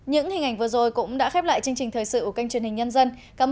những hình ảnh vừa rồi cũng đã khép lại chương trình thời sự của kênh truyền hình nhân dân cảm